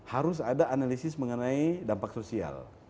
harus ada analisis mengenai dampak sosial